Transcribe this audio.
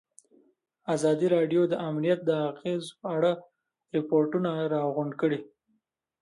ازادي راډیو د امنیت د اغېزو په اړه ریپوټونه راغونډ کړي.